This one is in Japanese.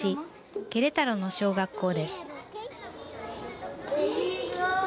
ケレタロの小学校です。